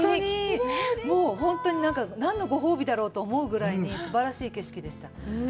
もう本当になんか、何のご褒美だろうと思うぐらい、すばらしい景色でした。